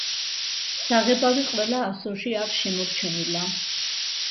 საღებავი ყველა ასოში არ შემორჩენილა.